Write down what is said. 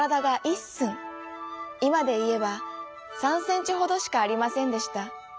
いまでいえば３センチほどしかありませんでした。